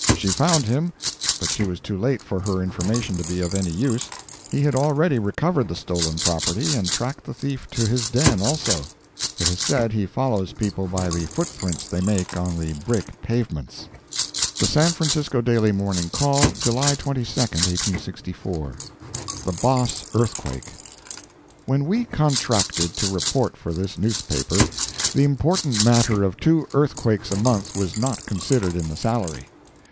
She found him, but she was too late for her information to be of any use—he had already recovered the stolen property and tracked the thief to his den also. It is said he follows people by the foot prints they make on the brick pavements. The San Francisco Daily Morning Call, July 22, 1864 THE BOSS EARTHQUAKE When we contracted to report for this newspaper, the important matter of two earthquakes a month was not considered in the salary.